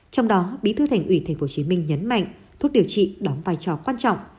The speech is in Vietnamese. trong đó bí thư thành ủy tp hcm nhấn mạnh thuốc điều trị đóng vai trò quan trọng